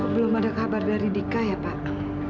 belum ada kabar dari dika ya pak